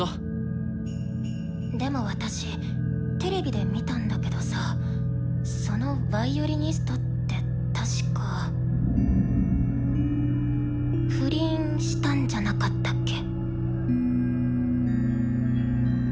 でも私テレビで見たんだけどさそのヴァイオリニストって確か不倫したんじゃなかったっけ？